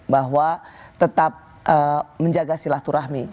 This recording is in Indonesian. bahwa tetap menjaga silaturahmi